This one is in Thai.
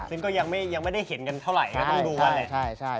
ซึ่งก็ยังไม่ได้เห็นกันเท่าไหร่